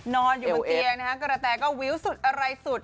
นอนอยู่บนเตียงนะฮะกระแตก็วสุดอะไรสุด